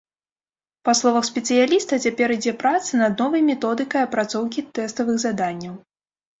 Па словах спецыяліста, цяпер ідзе праца над новай методыкай апрацоўкі тэставых заданняў.